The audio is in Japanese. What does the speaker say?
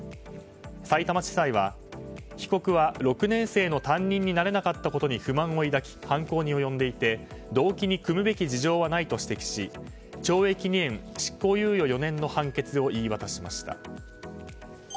さいたま地裁は被告は６年生の担任になれなかったことに不満を抱き、犯行に及んでいて動機にくむべき事情はないと指摘し懲役２年、執行猶予４年の判決を言い渡しました。